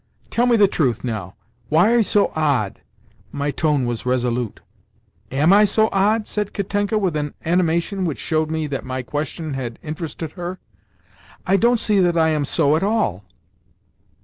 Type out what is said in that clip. Tell me the truth, now: why are you so odd?" My tone was resolute. "Am I so odd?" said Katenka with an animation which showed me that my question had interested her. "I don't see that I am so at all."